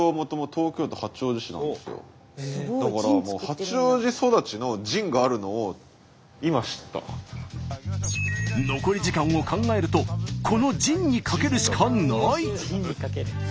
一応これ残り時間を考えるとこのジンに賭けるしかない。